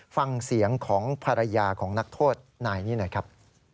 ฟังเสียงของภรรยาของนักโทษนายนี้หน่อยครับ